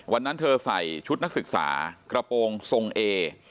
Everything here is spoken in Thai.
วันนั้นเธอใส่ชุดนักศึกษากระโปรงทรงเอ